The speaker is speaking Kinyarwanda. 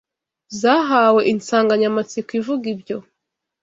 zahawe insanganyamatsiko ivuga ibyo